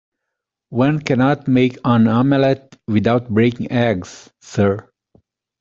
One cannot make an omelette without breaking eggs, sir.